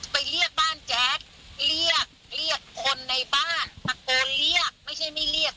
เรียกบ้านแจ๊ดเรียกเรียกคนในบ้านตะโกนเรียกไม่ใช่ไม่เรียก